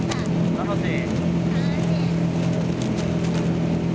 楽しい。